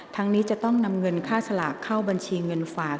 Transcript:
นี้จะต้องนำเงินค่าสลากเข้าบัญชีเงินฝาก